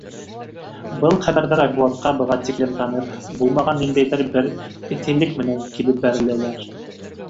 Был хәбәрҙәр Айбулатҡа быға тиклем танып: булмаған ниндәйҙер бер эҫелек менән килеп бәреләләр.